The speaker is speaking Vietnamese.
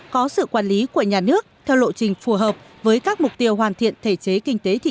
có sự quản lý của nhà nước theo lộ trình phù hợp với các mục tiêu hoàn thiện thể chế kinh tế thị